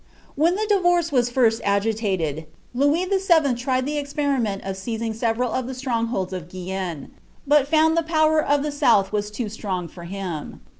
When ihe divorce was firet agilated, Louis VII. tried the experiment of seizing several of ilie strongholds in Guienne, but found the power of ilie Bouih WM too strong for him.